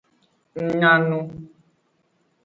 Ng nya nu.